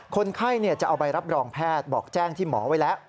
คนไข้จะเอาใบรับรองแพทย์บอกแจ้งที่หมอไว้แล้ว